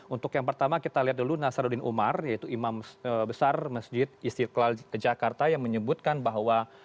untuk yang pertama kita lihat dulu nasaruddin umar yaitu imam besar masjid istiqlal jakarta yang menyebutkan bahwa